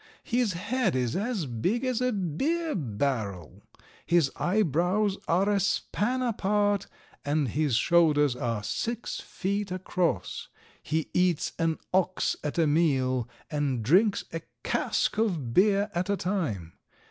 His head is as big as a beer barrel, his eyebrows are a span apart, and his shoulders are six feet across. He eats an ox at a meal, and drinks a cask of beer at a time.